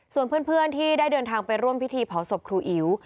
ส่วนเพื่อนที่ได้เดินทางไปร่วมพิธีเผาศพครูอิ๋ว